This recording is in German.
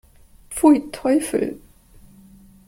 Pfui, Teufel!